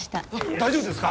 大丈夫ですか？